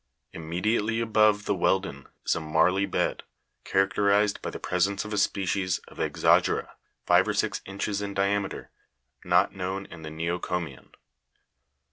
Immedi ately above the wealden is a marly bed, charac terized by the presence of a species of Ex'ogy' ra (Jig> 125) five or six inches in diameter, not known in the neo comian.